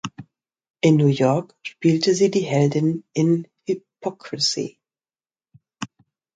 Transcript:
In New York spielte sie die Heldin in "Hypocrisy".